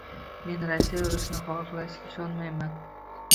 Men Rossiya urushni xohlashiga ishonmayman